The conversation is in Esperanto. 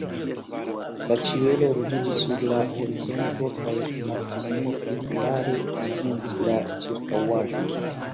La ĉielo ruĝiĝis sur la horizonto, kaj Maksimo pli klare distingis la ĉirkaŭaĵon.